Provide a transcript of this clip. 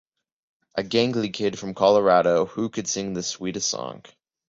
A gangly kid from Colorado, who could sing the sweetest song...